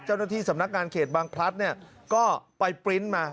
เจ้าหน้าที่สำนักงานเขตบางพลัดเนี่ยก็ไปปริ้นต์มา